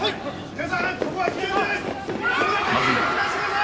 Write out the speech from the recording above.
皆さんここは危険です！